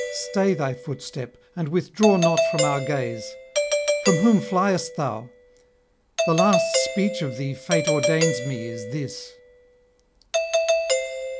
Stay thy footstep, and withdraw not from our gaze. From whom fliest thou? the last speech of thee fate ordains me is this.'